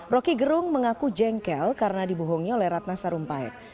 roky gerung mengaku jengkel karena dibohongi oleh ratna sarumpait